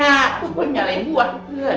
aku boleh nyalain gua kan